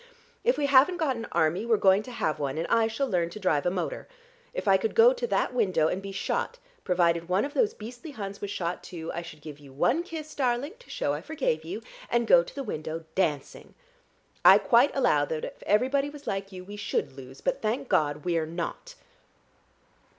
If we haven't got an army we're going to have one, and I shall learn to drive a motor. If I could go to that window and be shot, provided one of those beastly Huns was shot too, I should give you one kiss, darling, to shew I forgave you, and go to the window dancing! I quite allow that if everybody was like you we should lose, but thank God we're not."